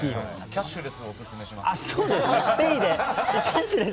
キャッシュレスをオススメします。